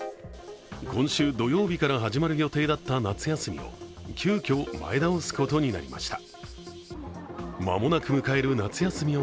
今週土曜日から始まる予定だった夏休みを急きょ、前倒すことになりました。